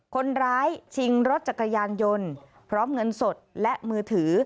คนร้ายชิงรถจักรยานยนต์พร้อมเงินสดและมือถือ